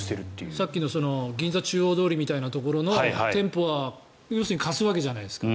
さっきの銀座中央通りみたいなところの店舗は貸すわけじゃないですか。